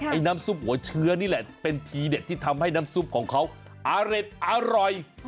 น้ำซุปหัวเชื้อนี่แหละเป็นทีเด็ดที่ทำให้น้ำซุปของเขาอร่อย